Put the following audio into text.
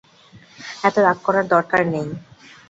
এতো রাগ করার দরকার নেই।